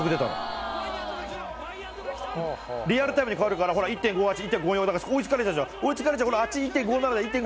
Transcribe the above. リアルタイムに変わるからほら１．５８１．５４だから追いつかれちゃうじゃん